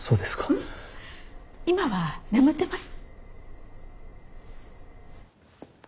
うん今は眠ってます。